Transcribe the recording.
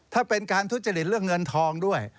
ถ้าเป็นการทุจริตเรื่องเงินทองด้วย